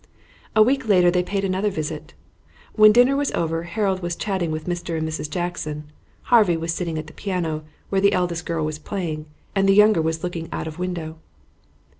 A week later they paid another visit. When dinner was over Harold was chatting with Mr. and Mrs. Jackson. Harvey was sitting at the piano, where the eldest girl was playing, and the younger was looking out of window.